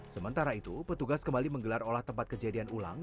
sementara itu petugas kembali menggelar olah tempat kejadian ulang